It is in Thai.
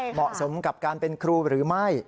เหมาะสมกับการเป็นครูหรือไม่